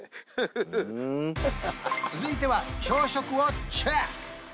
ふん続いては朝食をチェック！